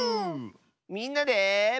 みんなで。